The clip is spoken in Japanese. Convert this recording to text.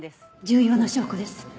重要な証拠です。